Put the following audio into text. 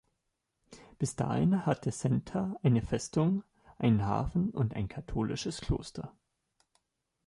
Bis dahin hatte Senta eine Festung, einen Hafen und ein katholisches Kloster.